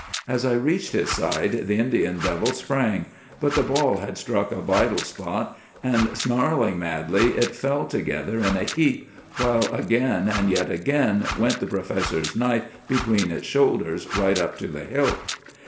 "As I reached his side the Indian devil sprang; but the ball had struck a vital spot, and snarling madly it fell together in a heap, while again and yet again went the professor's knife between its shoulders right up to the hilt.